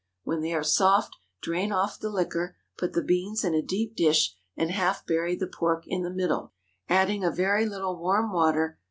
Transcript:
When they are soft, drain off the liquor, put the beans in a deep dish, and half bury the pork in the middle, adding a very little warm water.